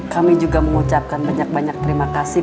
kami juga mengucapkan banyak banyak terima kasih